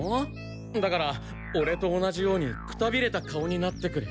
だからオレと同じようにくたびれた顔になってくれ。